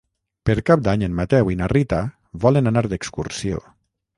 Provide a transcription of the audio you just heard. Per Cap d'Any en Mateu i na Rita volen anar d'excursió.